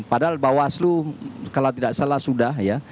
padahal bawaslu kalau tidak salah sudah ya